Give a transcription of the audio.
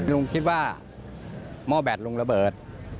ลุงคิดว่าหม้อแดดลุงระเบิด